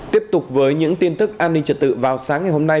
tiếp tục với những tin tức an ninh trật tự vào sáng ngày hôm nay